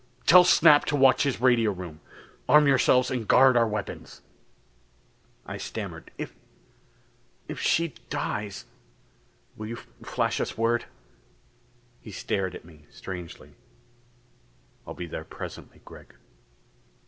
Tell Snap to watch his radio room. Arm yourselves and guard our weapons." I stammered, "If ... if she dies ... will you flash us word?" He stared at me strangely. "I'll be there presently, Gregg."